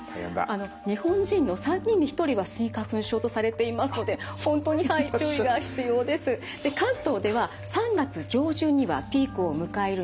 日本人の３人に１人はスギ花粉症とされていますので本当に注意が必要です。